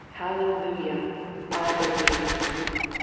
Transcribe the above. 5. Hallelujah ! I believe !